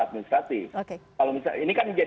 administrasi ini kan